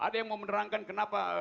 ada yang mau menerangkan kenapa